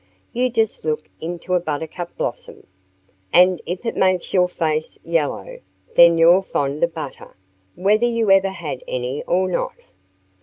"You just look into a buttercup blossom. "And if it makes your face yellow, then you're fond of butter whether you ever had any or not."